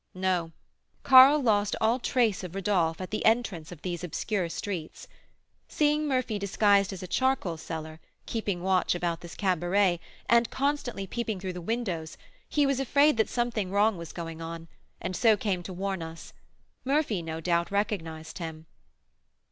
"No; Karl lost all trace of Rodolph at the entrance of these obscure streets. Seeing Murphy disguised as a charcoal seller, keeping watch about this cabaret, and constantly peeping through the windows, he was afraid that something wrong was going on, and so came to warn us. Murphy, no doubt, recognised him."